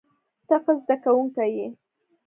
ته ښه زده کوونکی یې.